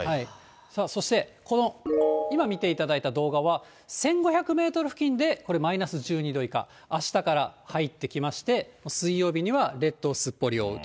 そして、今見ていただいた動画は１５００メートル付近でこれ、マイナス１２度以下、あしたから入ってきまして、水曜日には列島をすっぽり覆うと。